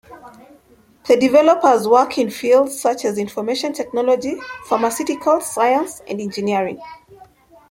The developers work in fields such as information technology, pharmaceuticals, science and engineering.